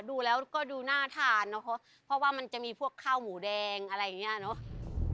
ดูแล้วก็ดูน่าทานเนอะเพราะว่ามันจะมีพวกข้าวหมูแดงอะไรอย่างเงี้ยเนอะ